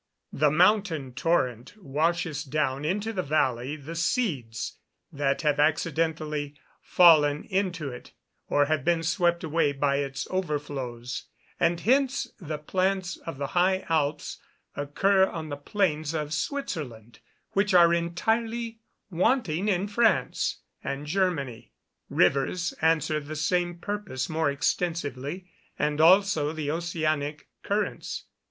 The mountain torrent washes down into the valley the seeds that have accidentally fallen into it, or have been swept away by its overflows; and hence the plants of the High Alps occur on the plains of Switzerland, which are entirely wanting in France and Germany. Rivers answer the same purpose more extensively, and also the oceanic currents.